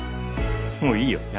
もういいよ。